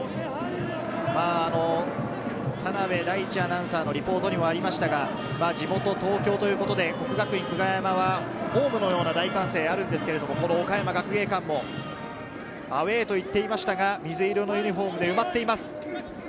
田辺大智アナウンサーのリポートにもありましたが、地元・東京ということで、國學院久我山はホームのような大歓声があるんですが、岡山学芸館もアウェーと言っていましたが、水色のユニホームで埋まっています。